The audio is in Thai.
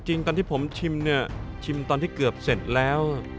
ตอนที่ผมชิมเนี่ยชิมตอนที่เกือบเสร็จแล้ว